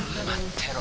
てろ